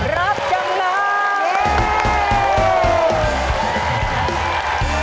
รับจำนำ